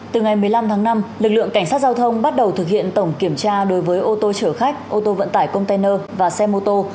từ ngày một mươi năm tháng năm lực lượng cảnh sát giao thông bắt đầu thực hiện tổng kiểm tra đối với ô tô chở khách ô tô vận tải container và xe mô tô